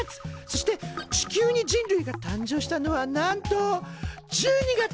そして地球に人類が誕生したのはなんと１２月３１日なんだって。